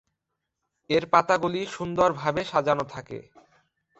এর পাতাগুলি সুন্দর ভাবে সাজানো থাকে।